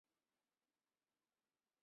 但这一变更引发不少批评。